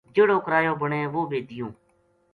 جیہڑو کرایو بنے وہ بے دیوؤں